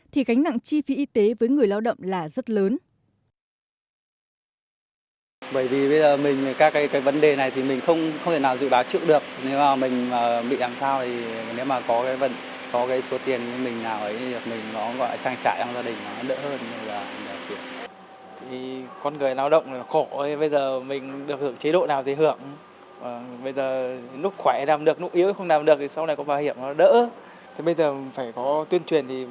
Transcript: thì gánh nặng chi phí y tế với người lao động là rất lớn